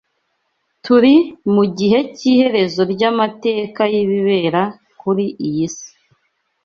Turi mu gihe cy’iherezo ry’amateka y’ibibera kuri iyi si